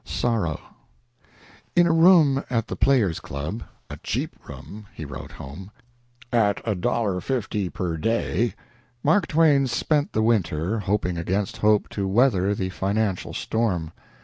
SORROW In a room at the Players Club "a cheap room," he wrote home, "at $1.50 per day" Mark Twain spent the winter, hoping against hope to weather the financial storm.